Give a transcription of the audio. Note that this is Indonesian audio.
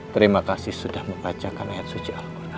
terima kasih sudah membacakan ayat suci al quran